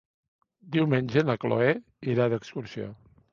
Diumenge na Cloè irà d'excursió.